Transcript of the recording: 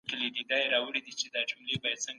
جهل انسان ړوند کوي.